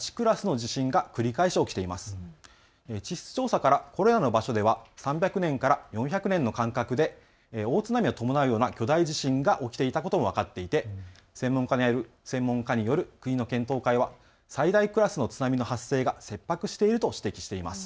地質調査から、これらの場所では３００年から４００年の間隔で大津波を伴うような巨大地震が起きていたことも分かっていて専門家による国の検討会は最大クラスの津波の発生が切迫していると指摘しています。